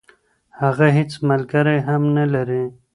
هغه هیڅ ملګری هم نلري.